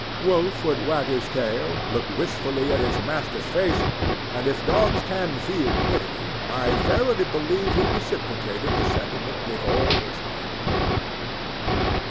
Wolf would wag his tail, look wistfully in his master's face, and if dogs can feel pity I verily believe he reciprocated the sentiment with all his heart.